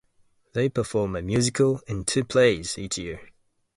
They perform a musical and two plays each year.